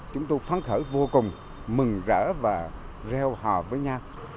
chúng tôi phán khởi vô cùng mừng rỡ và reo hò với nhau